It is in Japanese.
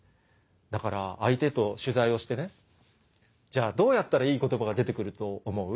だから相手と取材をしてねじゃあどうやったらいい言葉が出て来ると思う？